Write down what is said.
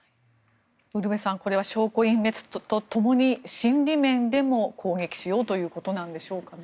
ウルヴェさんこれは証拠隠滅とともに心理面でも攻撃しようということなんでしょうかね。